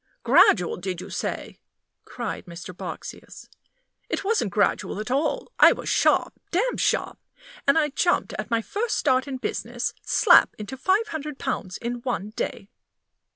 "Gradual, did you say?" cried Mr. Boxsious; "it wasn't gradual at all. I was sharp damned sharp, and I jumped at my first start in business slap into five hundred pounds in one day."